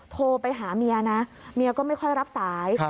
โทรไปหาเมียนะเมียก็ไม่ค่อยรับสาย